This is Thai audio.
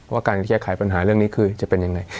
ว่าการแก้ไขปัญหาเรื่องนี้คือจะเป็นยังไง